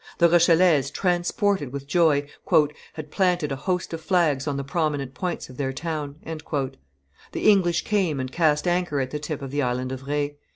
The Rochellese, transported with joy, "had planted a host of flags on the prominent points of their town." The English came and cast anchor at the tip of the Island of Re.